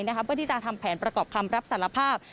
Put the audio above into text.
เพื่อที่จะทำแผนประกอบคำรับสารภาพ